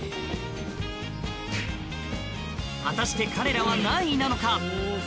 果たして彼らは何位なのか？